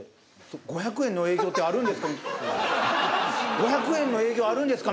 「５００円の営業あるんですか？」